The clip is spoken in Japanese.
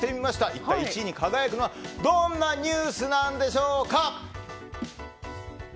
一体、１位に輝くのはどんなニュースなんでしょうか。